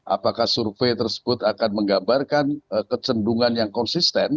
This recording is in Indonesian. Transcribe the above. apakah survei tersebut akan menggambarkan kecendungan yang konsisten